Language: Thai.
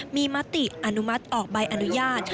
มีมติอนุมัติออกใบอนุญาต